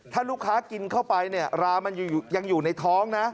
ถ้าลูกค้ากินเข้าไปร้ามันยังอยู่ในท้อง